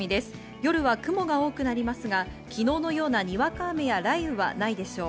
夜は雲が多くなりますが昨日のようなにわか雨や雷雨はないでしょう。